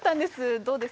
どうですか？